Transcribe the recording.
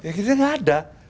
ya kita nggak ada